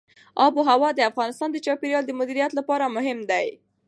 آب وهوا د افغانستان د چاپیریال د مدیریت لپاره مهم دي.